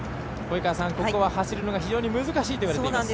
ここは走るのが非常に難しいといわれています。